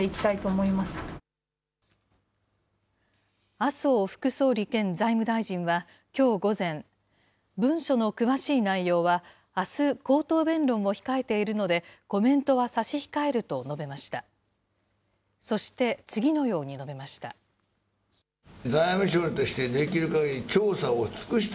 麻生副総理兼財務大臣は、きょう午前、文書の詳しい内容は、あす、口頭弁論を控えているので、コメントは差し控えると述べました。